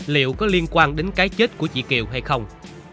liệu có liên quan đến cái chết của chị kiều hay không